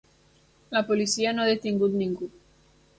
La policia no ha detingut ningú.